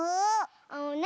あのね